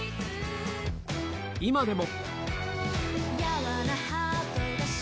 今でも。